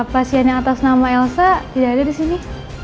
pasien yang atas nama elsa tidak ada disini